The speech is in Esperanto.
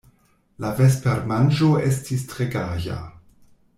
La vespermanĝo estis tre gaja.